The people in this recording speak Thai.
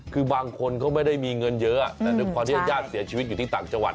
คือบางคนเขาไม่ได้มีเงินเยอะแต่ด้วยความที่ญาติเสียชีวิตอยู่ที่ต่างจังหวัด